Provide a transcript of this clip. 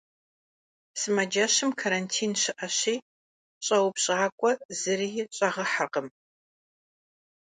Sımaceşım karantin şı'eşi, ş'eupş'ak'ue zıri ş'ağeherkhım.